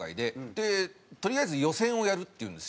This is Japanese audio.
でとりあえず予選をやるっていうんですよ。